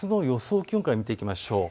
気温から見ていきましょう。